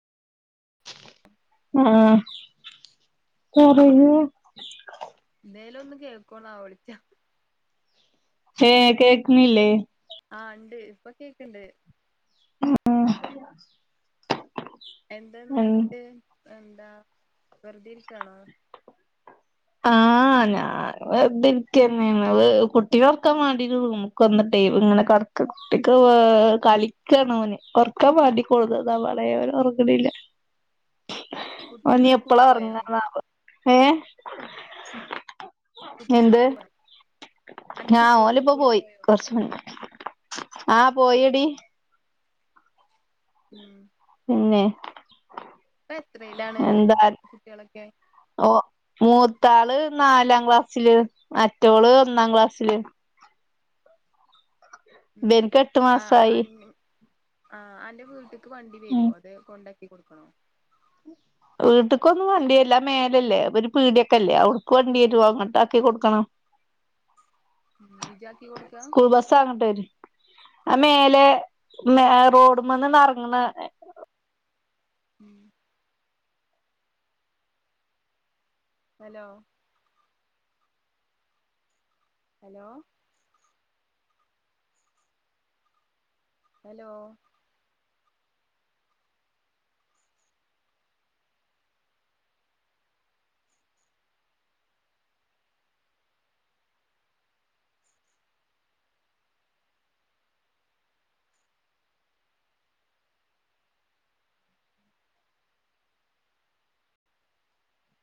ആഹ് ചറീല ന്റെലൊ ന്നും കേൾക്കോന്നാവോ വിളിച്ച ഏ കേക്ക്ണില്ലേ ആഹ് ണ്ട് പ്പൊ കേക്ക്ണ്ട് എന്താെന്ന ഉം ന്നട്ട് എന്താ വെറുതെര്ക്കാണോ ആഹ് ഞാൻ വേർതിര്ക്കന്നേണ് കുട്ടിനൊർക്കാൻ വേണ്ടിട്ട് റൂമ്ക്ക് വന്നിട്ട് ലൈവ് ങ്ങനെ കട്ക്ക് കുട്ടിക്ക് വ് കളിക്കണോന് ഒർക്കാൻ മാണ്ടി കൊട്ന്നതാ മളേ ഒർങ്ങ്ണില്ല ഓനീ കുട്ടികള് സ്കൂളിൽ എപ്പളാ പോയോ ഒർങ്ങണാവോ ഏഹ് കുട്ടികള് എന്ത് അന്റെ ഞാ കുട്ടികള് ഓല്പ്പോ സ്കൂളിൽ പോയി പോയോ കൊർച്ച് മുന്നെ ആഹ് പോയെടി പിന്നെ പ്പൊ എത്രയിലാണ് എന്താ കുട്ട്യാളൊക്കെ ഓ മൂത്താള് നാലാക്ലാസ്സില് മറ്റോള് ഒന്നാക്ലാസ്സില് ഉം ഇബൻക്ക് എട്ട് ആഹ് മാസായി അന്നു ആഹ് അന്റെ വീട്ട്ക്ക് വണ്ടി ഉം വരോ അത് കൊണ്ട ക്കി കൊട്ക്കണോ വീട്ട്ക്കൊന്നും വണ്ട്യർല്ല അഹ് മേലല്ലേ ഒര് പീട്യോക്കെല്ലേ ഔട്ക്ക് വണ്ടി വരു അങ്ങട്ടാക്കി കൊട്ക്കണം ഇജാക്കി കൊട്ക്കാ ആ മേലെ മെ റോഡ്മ്മന്ന് ന്നർങ്ങ്ന്ന ഉം ഹലോ ഹലോ ഹലോ